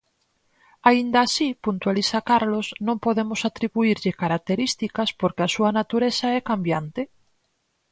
Aínda así, puntualiza Carlos, non podemos atribuírlle características, porque a súa natureza é cambiante.